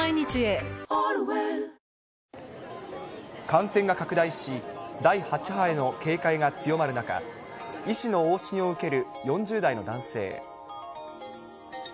感染が拡大し、第８波への警戒が強まる中、医師の往診を受ける４０代の男性。